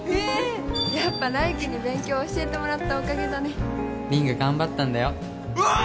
やっぱ来玖に勉強教えてもらったおかげだね凛が頑張ったんだようわああ！